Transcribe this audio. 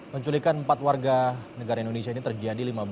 penculikan empat warga negara indonesia ini terjadi